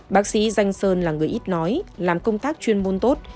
bác sĩ danh sơn là người ít nói làm công tác chuyên môn tốt